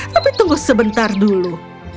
tapi tunggu sebentar dulu